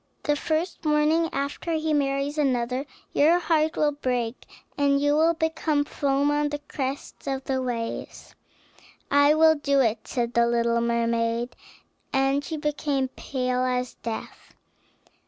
The first morning after he marries another your heart will break, and you will become foam on the crest of the waves." "I will do it," said the little mermaid, and she became pale as death.